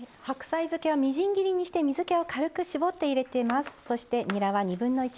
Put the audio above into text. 白菜漬けはみじん切りにして水けを軽く絞って入れてます。